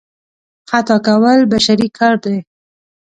خطا کول بشري کار دی.